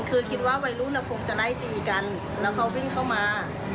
คือคิดว่าวัยรุ่นคงจะไล่ตีกันแล้วเขาวิ่งเข้ามา